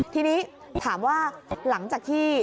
ทีนี้ถามว่าหลังจากที่